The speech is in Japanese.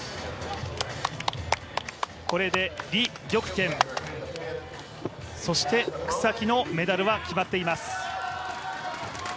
これで李玉娟、そして草木のメダルは決まっています。